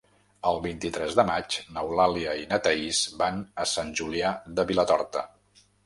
El vint-i-tres de maig n'Eulàlia i na Thaís van a Sant Julià de Vilatorta.